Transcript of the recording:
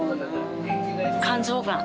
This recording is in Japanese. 肝臓がん。